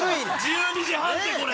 １２時半ってこれ！